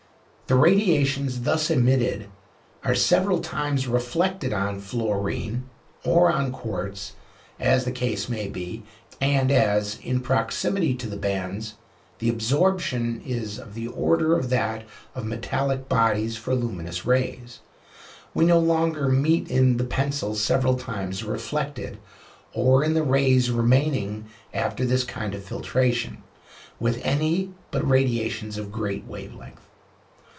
The radiations thus emitted are several times reflected on fluorine or on quartz, as the case may be; and as, in proximity to the bands, the absorption is of the order of that of metallic bodies for luminous rays, we no longer meet in the pencil several times reflected or in the rays remaining after this kind of filtration, with any but radiations of great wave length.